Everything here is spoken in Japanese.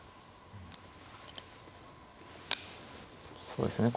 そうですね